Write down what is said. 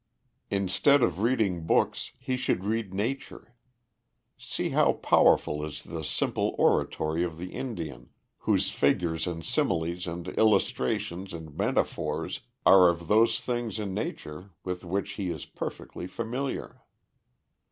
Instead of reading books he should read Nature. See how powerful is the simple oratory of the Indian, whose figures and similes and illustrations and metaphors are of those things in Nature with which he is perfectly familiar.